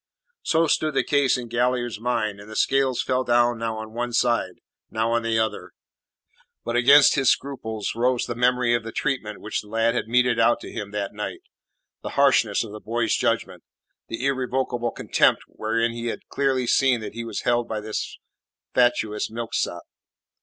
So stood the case in Galliard's mind, and the scales fell now on one side, now on the other. But against his scruples rose the memory of the treatment which the lad had meted out to him that night; the harshness of the boy's judgment; the irrevocable contempt wherein he had clearly seen that he was held by this fatuous milksop.